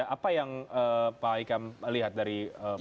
apa yang pak hikam lihat dari perbedaan ini